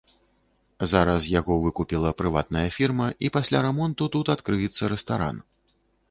Зараз яго выкупіла прыватная фірма, і пасля рамонту тут адкрыецца рэстаран.